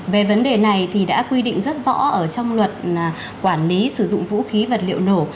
về vấn đề này thì đã quy định rất rõ ở trong luật quản lý sử dụng vũ khí vật liệu nổ